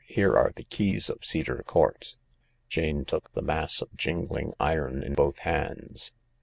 " Here are the keys of Cedar Court." Jane took the mass of jingling iron in both hands.